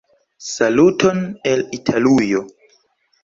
Salutojn el Italujo.